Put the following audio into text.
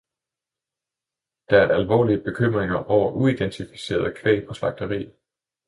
Der er alvorlige bekymringer over uidentificeret kvæg på slagterier.